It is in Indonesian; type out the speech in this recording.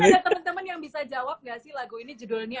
ada temen temen yang bisa jawab gak sih lagu ini judulnya apa